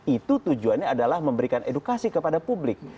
itu tujuannya adalah memberikan edukasi kepada publik